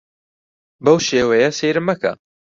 بەو شێوەیە سەیرم مەکە.